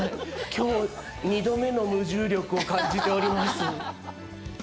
きょう２度目の無重力を感じております。